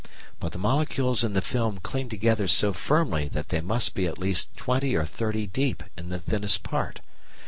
But the molecules in the film cling together so firmly that they must be at least twenty or thirty deep in the thinnest part.